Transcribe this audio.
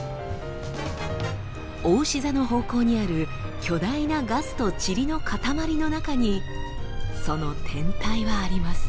おうし座の方向にある巨大なガスとチリのかたまりの中にその天体はあります。